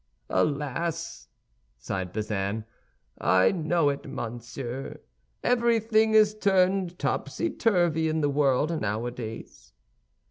"Alas!" sighed Bazin. "I know it, monsieur; everything is turned topsy turvy in the world nowadays."